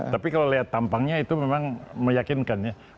tapi kalau lihat tampangnya itu memang meyakinkan ya